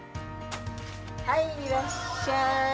はい、いらっしゃい。